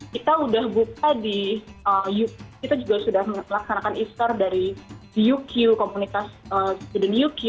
kita sudah buka di kita juga sudah melaksanakan e store dari uq komunitas student uq